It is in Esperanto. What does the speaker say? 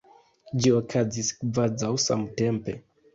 Ĝi okazis kvazaŭ samtempe.